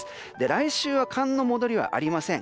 来週は寒の戻りはありません。